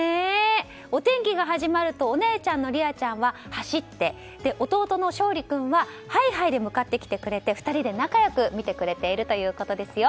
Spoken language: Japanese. お天気が始まるとお姉ちゃんの璃亜ちゃんは走って弟の彰李君ははいはいで向かってきてくれて２人で仲良く見てくれているということですよ。